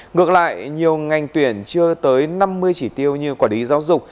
ngược lại nhiều ngành tuyển chưa tới năm mươi chỉ tiêu như quản lý giáo dục